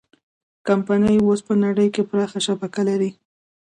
کمپنۍ اوس په نړۍ کې پراخه شبکه لري.